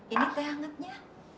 ini teh hangatnya